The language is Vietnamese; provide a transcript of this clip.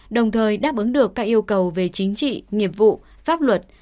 đồng thời đáp ứng được các yêu cầu về chính trị nghiệp vụ pháp luật